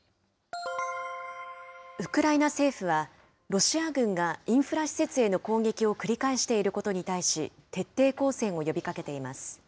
ウクライナ政府は、ロシア軍がインフラ施設への攻撃を繰り返していることに対し、徹底抗戦を呼びかけています。